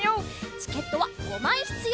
チケットは５まいひつようです。